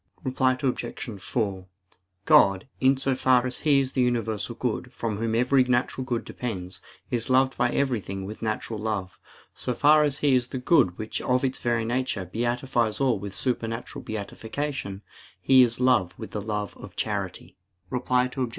Reply Obj. 4: God, in so far as He is the universal good, from Whom every natural good depends, is loved by everything with natural love. So far as He is the good which of its very nature beatifies all with supernatural beatitude, He is love with the love of charity. Reply Obj.